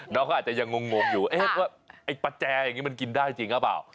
น้องเขาอาจจะยังงงอยู่ว่าไอ้ปลาแจอย่างนี้มันกินได้จริงหรือเปล่า